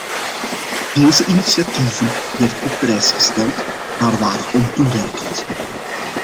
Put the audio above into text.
Deze initiatieven werden op prijs gesteld, maar waren ontoereikend.